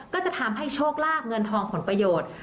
ก็จะทำให้โชคลาบเงินทองผลประโยชน์